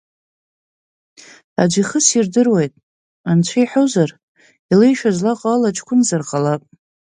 Аӡәы ихы сирдыруеит, Анцәа иҳәозар, илеишәа злаҟоу ала, ҷкәынзар ҟалап!